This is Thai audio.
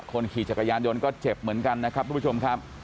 ขี่จักรยานยนต์ก็เจ็บเหมือนกันนะครับทุกผู้ชมครับ